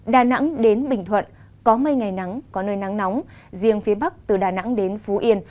đà nẵng đến bình thuận có mây ngày nắng có nơi nắng nóng riêng phía bắc từ đà nẵng đến phú yên